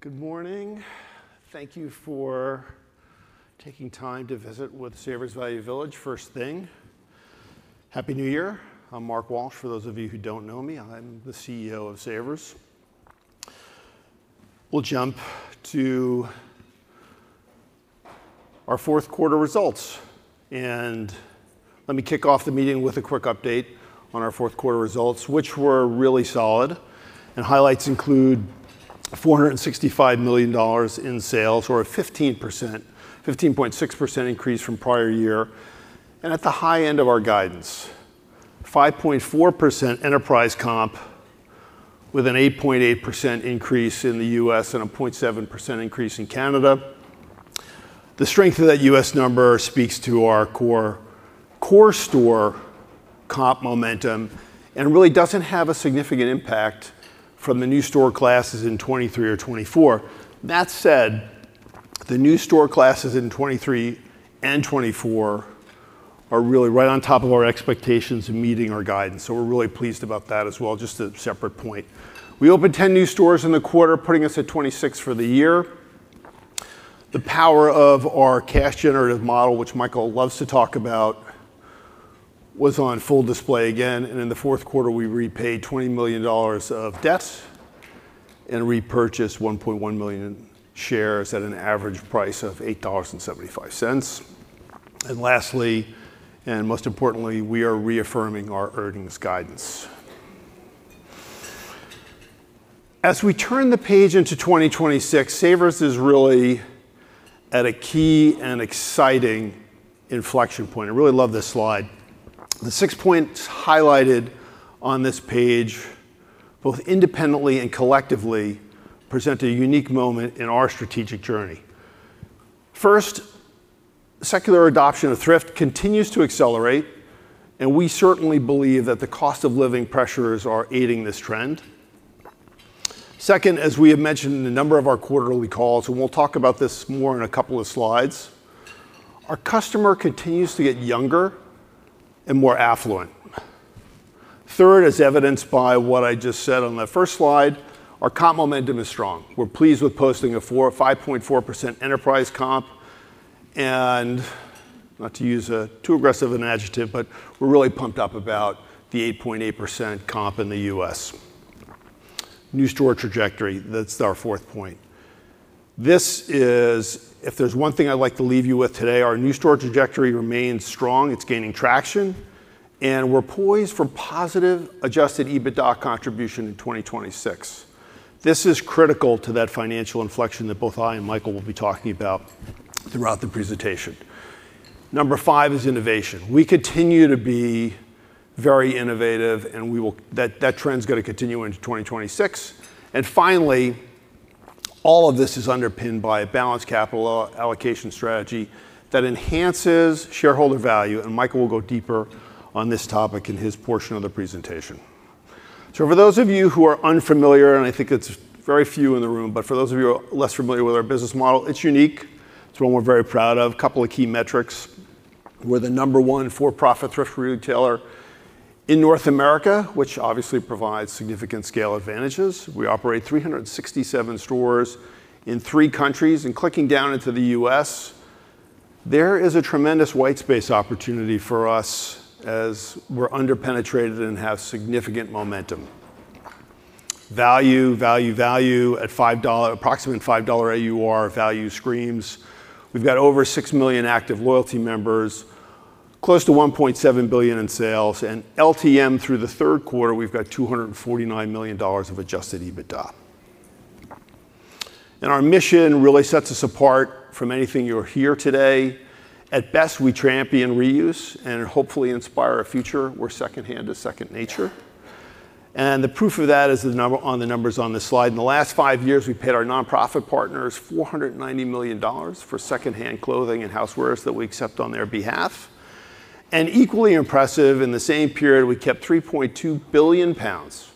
Good morning. Thank you for taking time to visit with Savers Value Village. First thing, happy new year. I'm Mark Walsh. For those of you who don't know me, I'm the CEO of Savers. We'll jump to our fourth quarter results, and let me kick off the meeting with a quick update on our fourth quarter results, which were really solid, and highlights include $465 million in sales, or a 15.6% increase from prior year, and at the high end of our guidance, 5.4% enterprise comp, with an 8.8% increase in the U.S. and a 0.7% increase in Canada. The strength of that U.S. number speaks to our core store comp momentum and really doesn't have a significant impact from the new store classes in 2023 or 2024. That said, the new store classes in 2023 and 2024 are really right on top of our expectations and meeting our guidance. So we're really pleased about that as well. Just a separate point. We opened 10 new stores in the quarter, putting us at 26 for the year. The power of our cash-generative model, which Michael loves to talk about, was on full display again. And in the fourth quarter, we repaid $20 million of debts and repurchased 1.1 million shares at an average price of $8.75. And lastly, and most importantly, we are reaffirming our earnings guidance. As we turn the page into 2026, Savers is really at a key and exciting inflection point. I really love this slide. The six points highlighted on this page, both independently and collectively, present a unique moment in our strategic journey. First, secular adoption of thrift continues to accelerate, and we certainly believe that the cost of living pressures are aiding this trend. Second, as we have mentioned in a number of our quarterly calls, and we'll talk about this more in a couple of slides, our customer continues to get younger and more affluent. Third, as evidenced by what I just said on the first slide, our comp momentum is strong. We're pleased with posting a 5.4% enterprise comp, and not to use a too aggressive an adjective, but we're really pumped up about the 8.8% comp in the U.S. New store trajectory, that's our fourth point. This is, if there's one thing I'd like to leave you with today, our new store trajectory remains strong. It's gaining traction, and we're poised for positive adjusted EBITDA contribution in 2026. This is critical to that financial inflection that both I and Michael will be talking about throughout the presentation. Number five is innovation. We continue to be very innovative, and that trend's going to continue into 2026. And finally, all of this is underpinned by a balanced capital allocation strategy that enhances shareholder value. And Michael will go deeper on this topic in his portion of the presentation. So for those of you who are unfamiliar, and I think it's very few in the room, but for those of you who are less familiar with our business model, it's unique. It's one we're very proud of. A couple of key metrics. We're the number one for-profit thrift retailer in North America, which obviously provides significant scale advantages. We operate 367 stores in three countries. And clicking down into the U.S., there is a tremendous white space opportunity for us as we're under-penetrated and have significant momentum. Value, value, value at approximately $5 AUR, value screams. We've got over 6 million active loyalty members, close to $1.7 billion in sales. And LTM through the third quarter, we've got $249 million of adjusted EBITDA. And our mission really sets us apart from anything you'll hear today. At best, we champion reuse and hopefully inspire a future where secondhand is second nature. And the proof of that is on the numbers on this slide. In the last five years, we paid our nonprofit partners $490 million for secondhand clothing and housewares that we accept on their behalf. And equally impressive, in the same period, we kept 3.2 billion lbs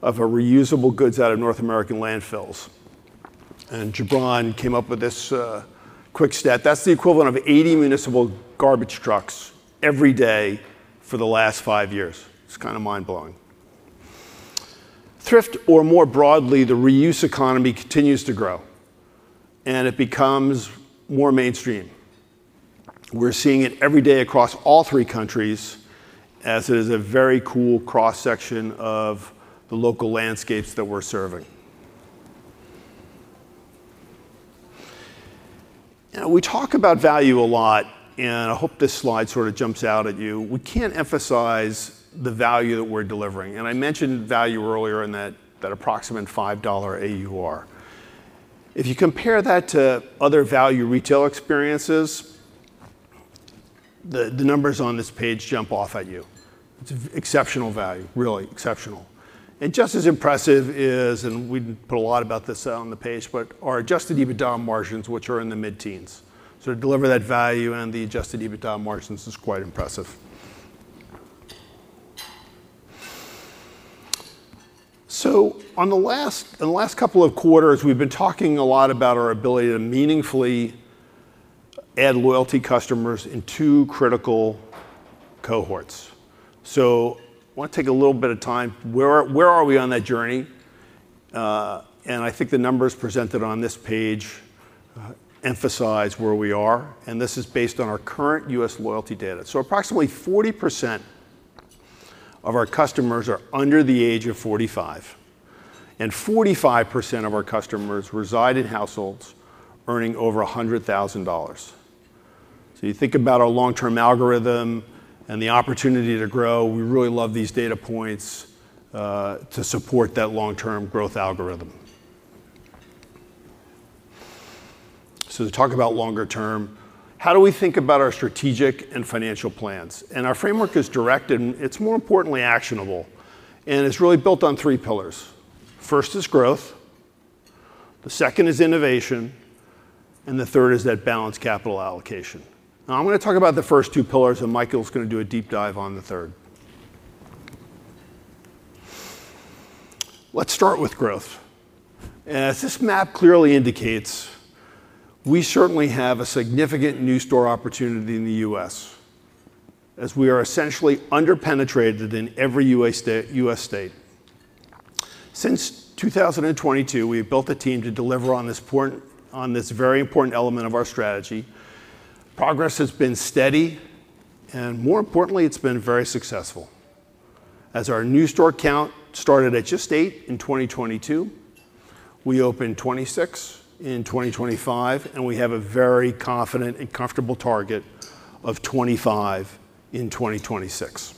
of reusable goods out of North American landfills. And Jubran came up with this quick stat. That's the equivalent of 80 municipal garbage trucks every day for the last five years. It's kind of mind-blowing. Thrift, or more broadly, the reuse economy continues to grow, and it becomes more mainstream. We're seeing it every day across all three countries as it is a very cool cross-section of the local landscapes that we're serving. We talk about value a lot, and I hope this slide sort of jumps out at you. We can't emphasize the value that we're delivering, and I mentioned value earlier in that approximate $5 AUR. If you compare that to other value retail experiences, the numbers on this page jump off at you. It's exceptional value, really exceptional, and just as impressive is, and we didn't put a lot about this on the page, but our adjusted EBITDA margins, which are in the mid-teens, so to deliver that value and the adjusted EBITDA margins is quite impressive. So in the last couple of quarters, we've been talking a lot about our ability to meaningfully add loyalty customers in two critical cohorts. So I want to take a little bit of time. Where are we on that journey? And I think the numbers presented on this page emphasize where we are. And this is based on our current U.S. loyalty data. So approximately 40% of our customers are under the age of 45. And 45% of our customers reside in households earning over $100,000. So you think about our long-term algorithm and the opportunity to grow. We really love these data points to support that long-term growth algorithm. So to talk about longer term, how do we think about our strategic and financial plans? And our framework is directed, and it's more importantly actionable. And it's really built on three pillars. First is growth. The second is innovation. And the third is that balanced capital allocation. Now I'm going to talk about the first two pillars, and Michael's going to do a deep dive on the third. Let's start with growth. As this map clearly indicates, we certainly have a significant new store opportunity in the U.S., as we are essentially under-penetrated in every U.S. state. Since 2022, we have built a team to deliver on this very important element of our strategy. Progress has been steady, and more importantly, it's been very successful. As our new store count started at just eight in 2022, we opened 26 in 2025, and we have a very confident and comfortable target of 25 in 2026.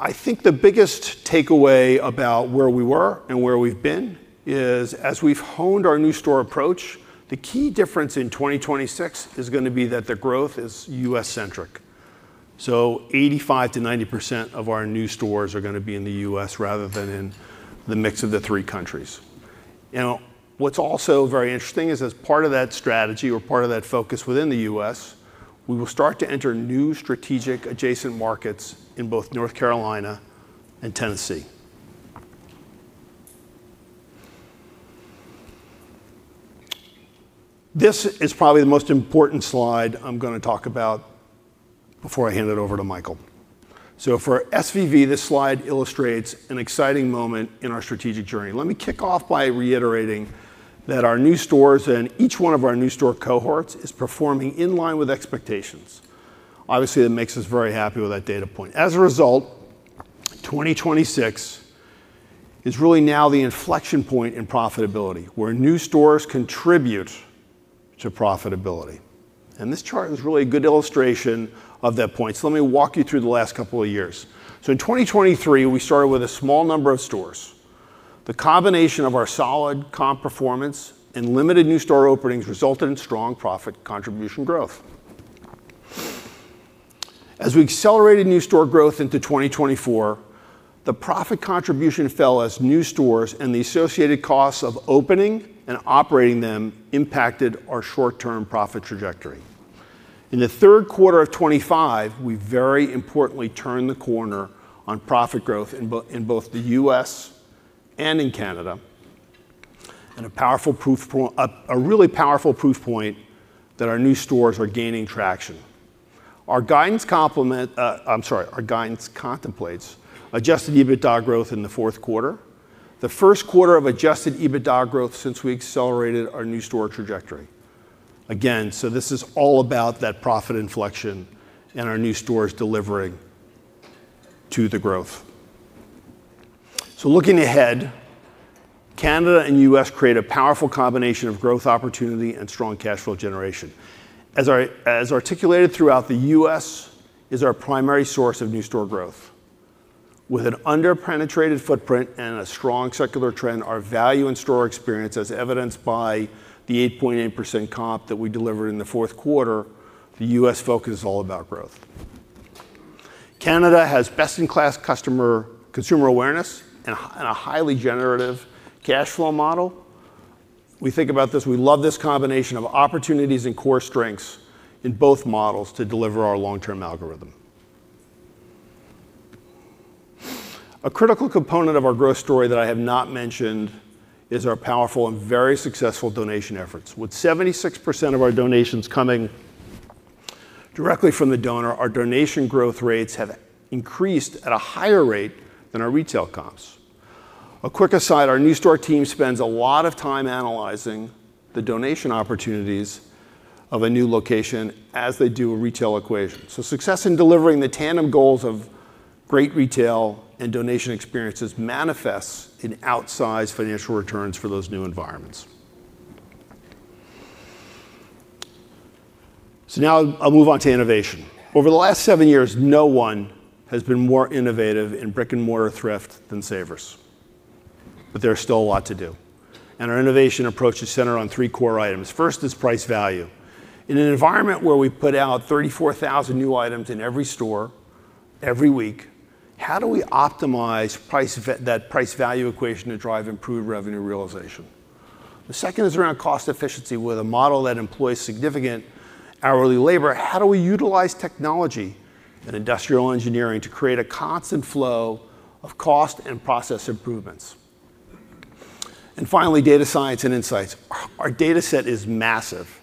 I think the biggest takeaway about where we were and where we've been is, as we've honed our new store approach, the key difference in 2026 is going to be that the growth is U.S.-centric. 85%-90% of our new stores are going to be in the U.S. rather than in the mix of the three countries. And what's also very interesting is, as part of that strategy or part of that focus within the U.S., we will start to enter new strategic adjacent markets in both North Carolina and Tennessee. This is probably the most important slide I'm going to talk about before I hand it over to Michael. So for SVV, this slide illustrates an exciting moment in our strategic journey. Let me kick off by reiterating that our new stores and each one of our new store cohorts is performing in line with expectations. Obviously, that makes us very happy with that data point. As a result, 2026 is really now the inflection point in profitability, where new stores contribute to profitability. This chart is really a good illustration of that point. Let me walk you through the last couple of years. In 2023, we started with a small number of stores. The combination of our solid comp performance and limited new store openings resulted in strong profit contribution growth. As we accelerated new store growth into 2024, the profit contribution fell as new stores and the associated costs of opening and operating them impacted our short-term profit trajectory. In the third quarter of 2025, we very importantly turned the corner on profit growth in both the U.S. and in Canada, and a really powerful proof point that our new stores are gaining traction. Our guidance contemplates adjusted EBITDA growth in the fourth quarter, the first quarter of adjusted EBITDA growth since we accelerated our new store trajectory. Again, so this is all about that profit inflection and our new stores delivering to the growth. So looking ahead, Canada and the U.S. create a powerful combination of growth opportunity and strong cash flow generation. As articulated throughout, the U.S. is our primary source of new store growth. With an under-penetrated footprint and a strong circular trend, our value and store experience, as evidenced by the 8.8% comp that we delivered in the fourth quarter, the U.S. focus is all about growth. Canada has best-in-class consumer awareness and a highly generative cash flow model. We think about this. We love this combination of opportunities and core strengths in both models to deliver our long-term algorithm. A critical component of our growth story that I have not mentioned is our powerful and very successful donation efforts. With 76% of our donations coming directly from the donor, our donation growth rates have increased at a higher rate than our retail comps. A quick aside, our new store team spends a lot of time analyzing the donation opportunities of a new location as they do a retail equation. So success in delivering the tandem goals of great retail and donation experiences manifests in outsized financial returns for those new environments. So now I'll move on to innovation. Over the last seven years, no one has been more innovative in brick-and-mortar thrift than Savers. But there's still a lot to do. And our innovation approach is centered on three core items. First is price value. In an environment where we put out 34,000 new items in every store every week, how do we optimize that price-value equation to drive improved revenue realization? The second is around cost efficiency. With a model that employs significant hourly labor, how do we utilize technology and industrial engineering to create a constant flow of cost and process improvements? And finally, data science and insights. Our data set is massive.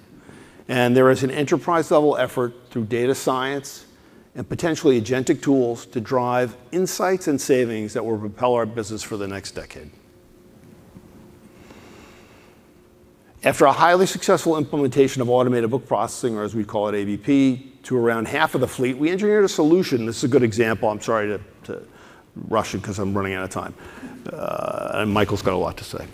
And there is an enterprise-level effort through data science and potentially agentic tools to drive insights and savings that will propel our business for the next decade. After a highly successful implementation of automated book processing, or as we call it, ABP, to around half of the fleet, we engineered a solution. This is a good example. I'm sorry to rush it because I'm running out of time. And Michael's got a lot to say.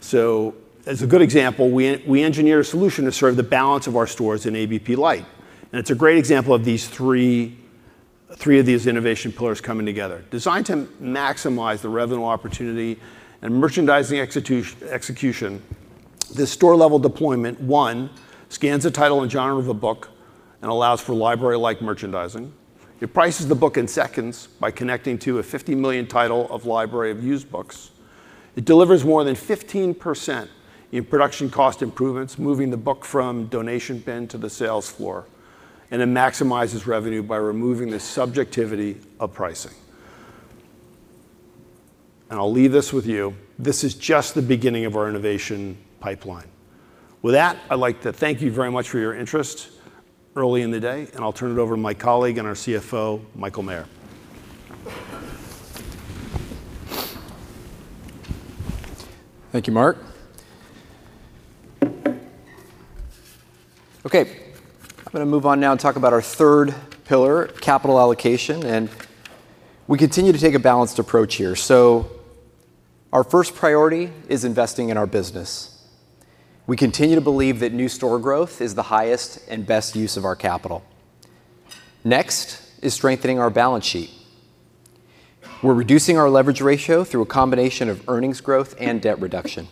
So as a good example, we engineered a solution to serve the balance of our stores in ABP Lite. And it's a great example of three of these innovation pillars coming together. Designed to maximize the revenue opportunity and merchandising execution, this store-level deployment scans a title and genre of a book and allows for library-like merchandising. It prices the book in seconds by connecting to a 50-million-title library of used books. It delivers more than 15% in production cost improvements, moving the book from donation bin to the sales floor. And it maximizes revenue by removing the subjectivity of pricing. And I'll leave this with you. This is just the beginning of our innovation pipeline. With that, I'd like to thank you very much for your interest early in the day. And I'll turn it over to my colleague and our CFO, Michael Maher. Thank you, Mark. Okay. I'm going to move on now and talk about our third pillar, capital allocation. And we continue to take a balanced approach here. Our first priority is investing in our business. We continue to believe that new store growth is the highest and best use of our capital. Next is strengthening our balance sheet. We're reducing our leverage ratio through a combination of earnings growth and debt reduction.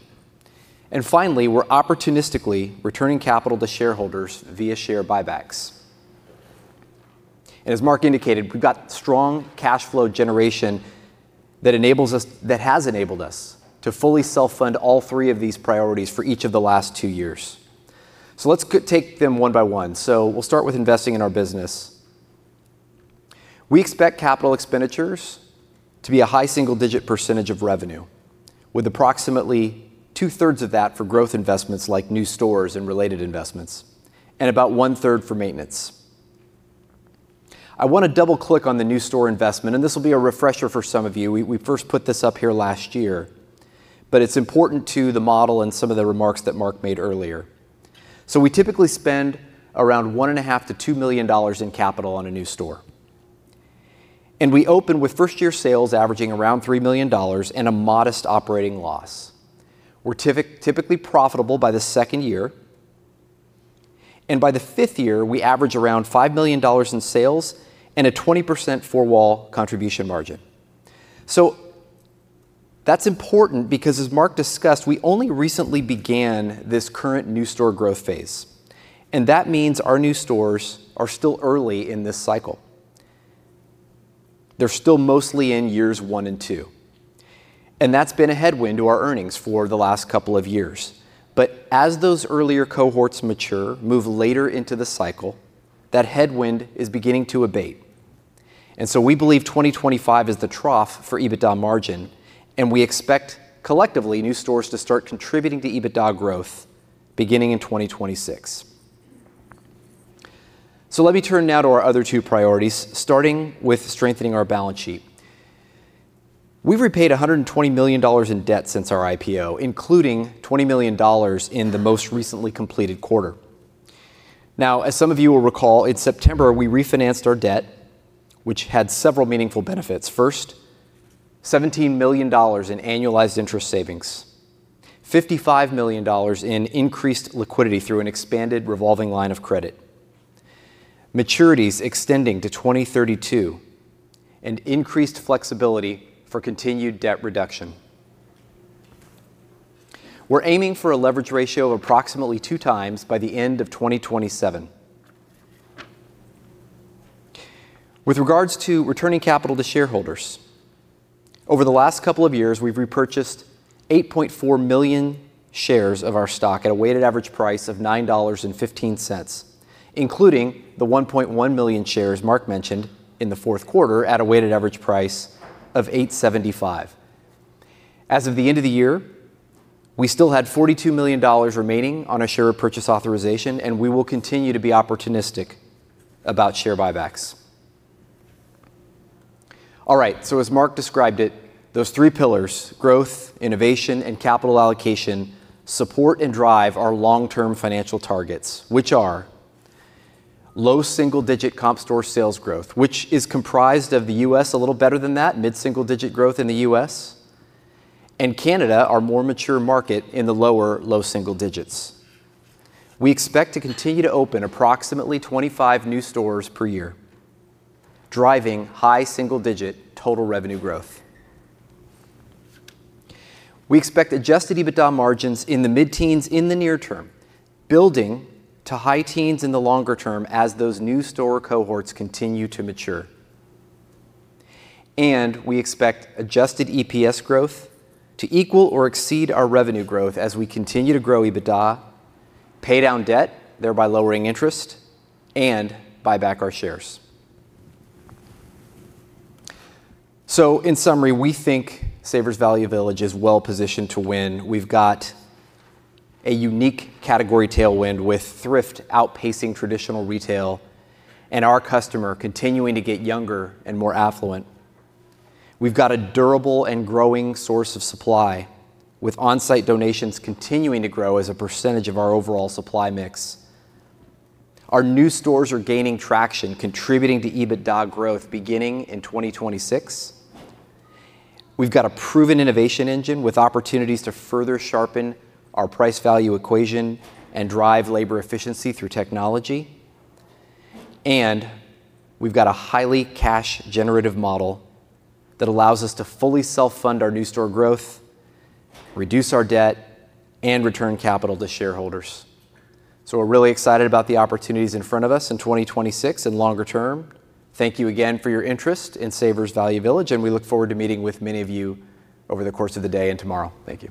And finally, we're opportunistically returning capital to shareholders via share buybacks. As Mark indicated, we've got strong cash flow generation that has enabled us to fully self-fund all three of these priorities for each of the last two years. Let's take them one by one. We'll start with investing in our business. We expect capital expenditures to be a high single-digit % of revenue, with approximately two-thirds of that for growth investments like new stores and related investments, and about one-third for maintenance. I want to double-click on the new store investment. And this will be a refresher for some of you. We first put this up here last year. But it's important to the model and some of the remarks that Mark made earlier. So we typically spend around $1.5 million-$2 million in capital on a new store. And we open with first-year sales averaging around $3 million and a modest operating loss. We're typically profitable by the second year. And by the fifth year, we average around $5 million in sales and a 20% four-wall contribution margin. So that's important because, as Mark discussed, we only recently began this current new store growth phase. And that means our new stores are still early in this cycle. They're still mostly in years one and two. And that's been a headwind to our earnings for the last couple of years. But as those earlier cohorts mature, move later into the cycle, that headwind is beginning to abate. And so we believe 2025 is the trough for EBITDA margin. And we expect, collectively, new stores to start contributing to EBITDA growth beginning in 2026. So let me turn now to our other two priorities, starting with strengthening our balance sheet. We've repaid $120 million in debt since our IPO, including $20 million in the most recently completed quarter. Now, as some of you will recall, in September, we refinanced our debt, which had several meaningful benefits. First, $17 million in annualized interest savings, $55 million in increased liquidity through an expanded revolving line of credit, maturities extending to 2032, and increased flexibility for continued debt reduction. We're aiming for a leverage ratio of approximately 2x by the end of 2027. With regards to returning capital to shareholders, over the last couple of years, we've repurchased 8.4 million shares of our stock at a weighted average price of $9.15, including the 1.1 million shares Mark mentioned in the fourth quarter at a weighted average price of $8.75. As of the end of the year, we still had $42 million remaining on a share purchase authorization, and we will continue to be opportunistic about share buybacks. All right, so as Mark described it, those three pillars, growth, innovation, and capital allocation, support and drive our long-term financial targets, which are low single-digit comp store sales growth, which is comprised of the U.S. a little better than that, mid-single-digit growth in the U.S., and Canada, our more mature market in the lower low single digits. We expect to continue to open approximately 25 new stores per year, driving high single-digit total revenue growth. We expect adjusted EBITDA margins in the mid-teens in the near term, building to high teens in the longer term as those new store cohorts continue to mature, and we expect adjusted EPS growth to equal or exceed our revenue growth as we continue to grow EBITDA, pay down debt, thereby lowering interest, and buy back our shares. So in summary, we think Savers Value Village is well positioned to win. We've got a unique category tailwind with thrift outpacing traditional retail and our customer continuing to get younger and more affluent. We've got a durable and growing source of supply with on-site donations continuing to grow as a percentage of our overall supply mix. Our new stores are gaining traction, contributing to EBITDA growth beginning in 2026. We've got a proven innovation engine with opportunities to further sharpen our price value equation and drive labor efficiency through technology. We've got a highly cash-generative model that allows us to fully self-fund our new store growth, reduce our debt, and return capital to shareholders. We're really excited about the opportunities in front of us in 2026 and longer term. Thank you again for your interest in Savers Value Village. We look forward to meeting with many of you over the course of the day and tomorrow. Thank you.